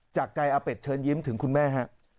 จากใจอาเป็ดเชิญยิ้มถึงคุณแม่ฮะ